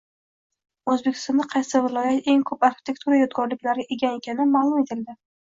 O‘zbekistonda qaysi viloyat eng ko‘p arxitektura yodgorliklariga ega ekani ma’lum qilindi